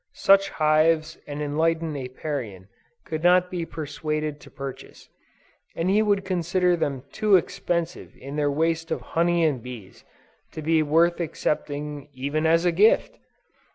Such hives an enlightened Apiarian could not be persuaded to purchase, and he would consider them too expensive in their waste of honey and bees, to be worth accepting, even as a gift.